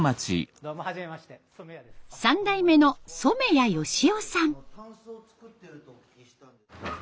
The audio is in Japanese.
３代目の染谷佳男さん。